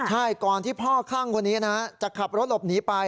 ใช่ก่อนที่พ่อคลั่งคนนี้นะจะขับรถหลบหนีไป